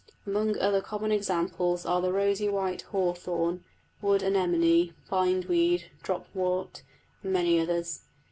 Among other common examples are the rosy white hawthorn, wood anemone, bindweed, dropwort, and many others.